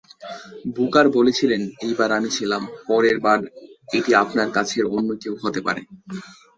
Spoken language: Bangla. বুকার বলেছিলেন, "এইবার, আমি ছিলাম; পরের বার, এটি আপনার কাছের অন্য কেউ হতে পারে।"